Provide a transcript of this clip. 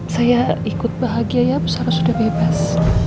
saya ikut bahagia ya bu sarah sudah bebas